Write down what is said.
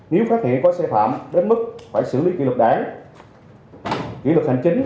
nếu phát hiện có sai phạm đến mức phải xử lý kỷ luật đảng kỷ luật hành chính